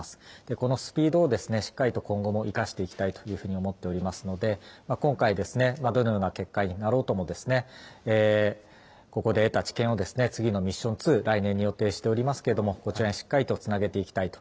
このスピードをしっかりと今後も生かしていきたいというふうに思っておりますので、今回、どのような結果になろうとも、ここで得た知見を次のミッション２、来年に予定しておりますけれども、こちらにしっかりとつなげていきたいと。